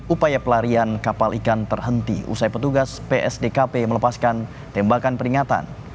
upaya pelarian kapal ikan terhenti usai petugas psdkp melepaskan tembakan peringatan